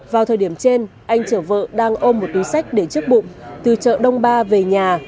vào thời điểm trên anh chở vợ đang ôm một túi sách để chiếc bụng từ chợ đông ba về nhà